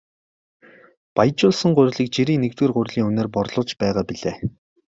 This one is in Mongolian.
Баяжуулсан гурилыг жирийн нэгдүгээр гурилын үнээр борлуулж байгаа билээ.